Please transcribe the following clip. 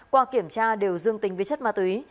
qua kiểm tra đều dương tính với chất ma túy